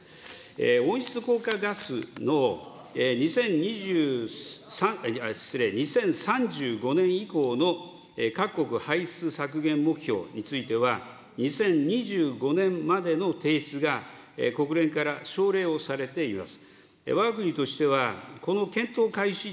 温室効果ガスの２０２３、失礼、２０年以降の各国排出削減目標については、２０２５年までの提出が国連から奨励をされています。